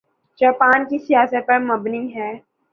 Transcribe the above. Japan کی سیاحت پر مبنی ہے